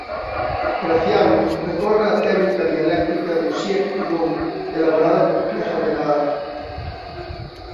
Graciano recorre á técnica dialéctica do "sic et non" elaborada por Pierre Abélard.